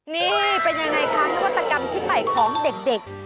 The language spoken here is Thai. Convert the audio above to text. นี่เป็นยังไงคะนวัตกรรมชิ้นใหม่ของเด็ก